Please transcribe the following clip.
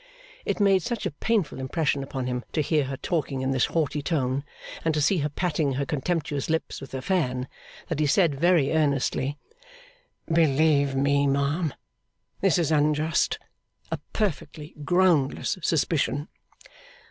It made such a painful impression upon him to hear her talking in this haughty tone, and to see her patting her contemptuous lips with her fan, that he said very earnestly, 'Believe me, ma'am, this is unjust, a perfectly groundless suspicion.